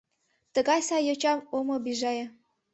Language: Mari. Тыгай сай йочам ом обижае.